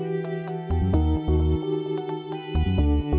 bahkan kita dapat super jalan jalan jalan